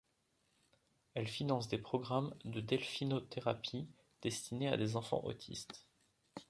Elle finance des programmes de delphinothérapie destinés à des enfants autistes.